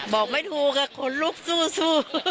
บอกไม่ถูกค่ะขนลุกสู้